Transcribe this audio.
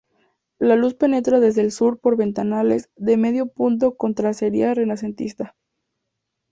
La luz penetra desde el sur por ventanales de medio punto con tracería renacentista.